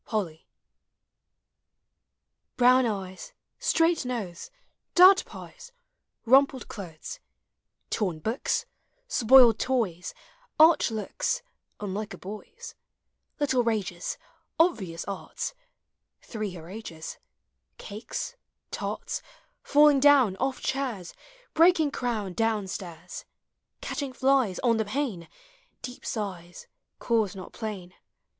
POLLY. Brown eyes, Straight nose; Dirt pies, Rumpled clothes; Torn books, Spoiled toys; Arch looks, Unlike a boy's; Lilllc rages, Obvious arts; (Three her age is), Cakes, tarts; Falling down Off chairs; Breaking crown Down stairs; Catching Hies On the pane; Deep sighs,— Cause not plain; Digitized by Google POEMS OF HOME.